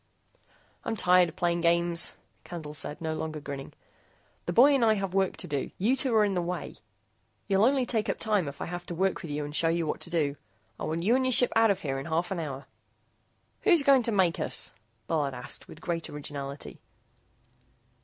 "I'm tired of playing games," Candle said, no longer grinning. "The boy and I have work to do. You two are in the way. You'll only take up time if I have to work with you and show you what to do. I want you and your ship out of here in half an hour." "Who's going to make us?" Bullard asked with great originality.